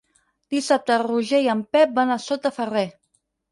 Dissabte en Roger i en Pep van a Sot de Ferrer.